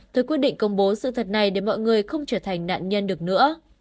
tôi quyết định công bố sự thật này để mọi người không trở thành nạn nhân được nữa